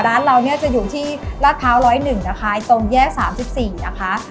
ร้านเราเนี่ยจะอยู่ที่ลาดพร้าว๑๐๑นะคะตรงแยก๓๔นะคะ